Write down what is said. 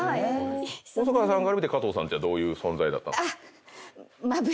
⁉細川さんから見てかとうさんってどういう存在だったんですか？